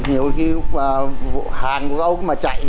nhiều khi hàng của ông chạy